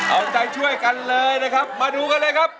เอาใจช่วยกันเลยนะครับมาดูกันเลยครับ